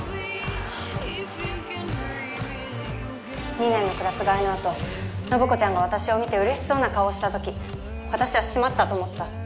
二年のクラス替えのあと信子ちゃんが私を見て嬉しそうな顔をしたとき私はしまったと思った。